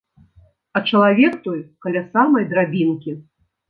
А чалавек той каля самай драбінкі.